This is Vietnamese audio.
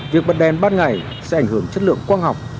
việc bật đèn ban ngày sẽ ảnh hưởng chất lượng quang học